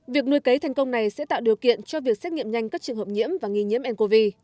việc nuôi cấy thành công này sẽ tạo điều kiện cho việc xét nghiệm nhanh các trường hợp nhiễm và nghi nhiễm ncov